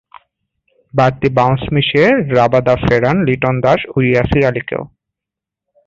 বাড়তি বাউন্স মিশিয়ে রাবাদা ফেরান লিটন দাস ও ইয়াসির আলীকেও।